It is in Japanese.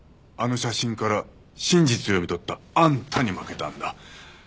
あの写真から真実を読み取ったあんたに負けたんだ。